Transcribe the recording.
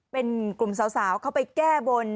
เป็นกลุ่มสาวเข้าไปแก้บน